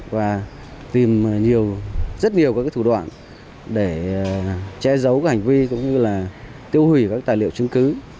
và tìm rất nhiều các thủ đoạn để che giấu hành vi cũng như tiêu hủy các tài liệu chứng cứ